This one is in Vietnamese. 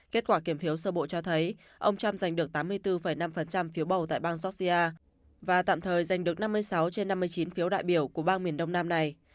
kết quả kiểm phiếu sơ bộ cho thấy ông trump giành được tám mươi bốn năm phiếu bầu tại bang georgia và tạm thời giành được năm mươi sáu trên năm mươi chín phiếu đại biểu của bang miền đông nam này